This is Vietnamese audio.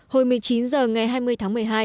hồi một mươi chín h ngày hai mươi tháng một mươi hai